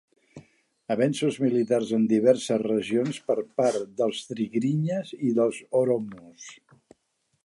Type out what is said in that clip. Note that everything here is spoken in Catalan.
Avenços militars en diverses regions per part dels tigrinyes i els oromos.